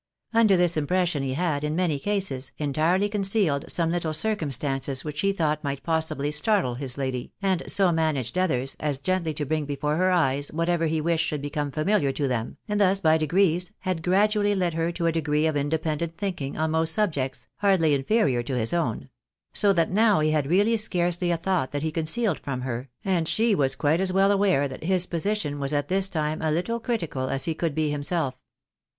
Under this impression he had, in many cases, entirely concealed some little circumstances which he thought might possibly startle his lady, and so managed others, as gently to bring before her eyes whatever he wished should become familiar to them, and thus by degrees, had gradually led her to a degree of independent thinking on most subjects, hardly inferior to his own — so that now he had really scarcely a thought that he concealed from her, and she was quite as well aware that his position was at this time a little critical as he could be himself.